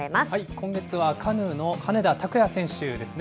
今月はカヌーの羽根田卓也選手ですね。